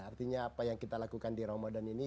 artinya apa yang kita lakukan di ramadan ini